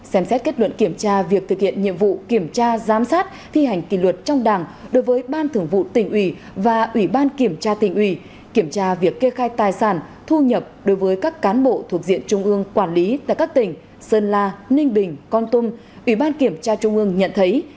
xem xét kết luận kiểm tra việc thực hiện nhiệm vụ kiểm tra giám sát thi hành kỷ luật trong đảng đối với ban thường vụ tỉnh ủy và ủy ban kiểm tra tỉnh ủy kiểm tra việc kê khai tài sản thu nhập đối với các cán bộ thuộc diện trung ương quản lý tại các tỉnh sơn la ninh bình con tum ủy ban kiểm tra trung ương nhận thấy